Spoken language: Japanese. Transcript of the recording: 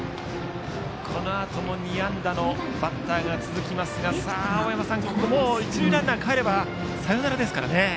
このあとも２安打のバッターが続きますが青山さん、ここ一塁ランナーがかえればサヨナラですからね。